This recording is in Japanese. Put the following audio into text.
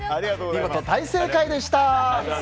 見事、大正解でした。